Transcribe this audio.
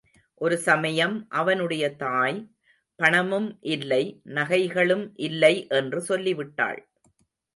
ஒரு சமயம் அவனுடைய தாய், பணமும் இல்லை, நகைகளும் இல்லை என்று சொல்லிவிட்டாள்.